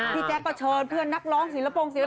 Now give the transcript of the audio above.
พี่แจ๊กก็เชิญเพื่อนนักร้องศิลปงศ์